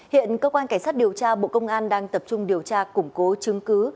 hiện cơ quan cảnh sát điều tra bộ công an đang tập trung điều tra củng cố chứng cứ